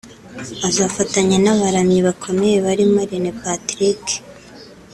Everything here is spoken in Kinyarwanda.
Azafatanya n’abaramyi bakomeye barimo Rene Patrick